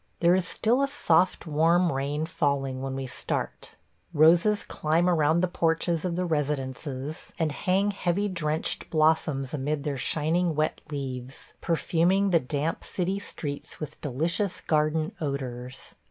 There is still a soft, warm rain falling when we start. Roses climb around the porches of the residences and hang heavy drenched blossoms amid their shining wet leaves, perfuming the damp city streets with delicious garden odors.